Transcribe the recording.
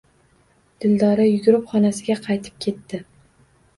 Dildora yugurib xonasiga qaytib ketdi.